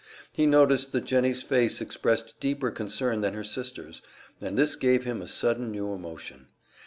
He noticed that Jennie's face expressed deeper concern than her sister's, and this gave him a sudden new emotion.